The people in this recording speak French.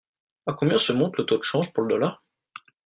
À combien se monte le taux de change pour le dollar ?